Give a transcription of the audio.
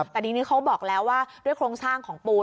แต่ทีนี้เขาบอกแล้วว่าด้วยโครงสร้างของปูน